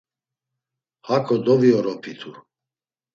Hako dovioropitu.